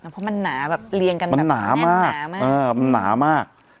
เพราะมันหนาแบบเรียงกันแน่นหนามาก